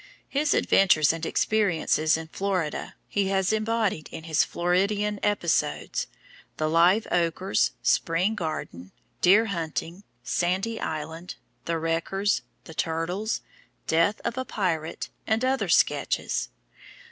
His adventures and experiences in Florida, he has embodied in his Floridian Episodes, "The Live Oakers," "Spring Garden," "Deer Hunting," "Sandy Island," "The Wreckers," "The Turtles," "Death of a Pirate," and other sketches.